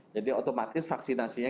jadi otomatis vaksinasinya